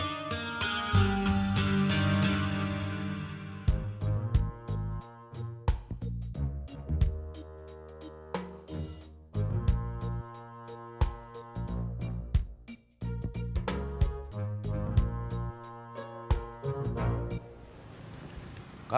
ya udah kang